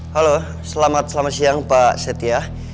halo selamat selamat siang pak setia